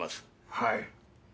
はい。